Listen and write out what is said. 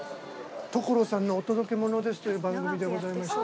『所さんお届けモノです！』という番組でございまして。